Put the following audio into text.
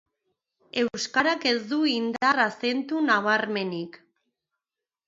Euskarak ez du indar azentu nabarmenik.